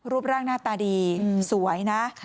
รูปร่างหน้าตาดีสวยนะ